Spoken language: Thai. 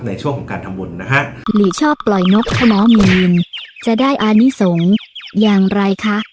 ในช่วงของการทำบุญนะฮะ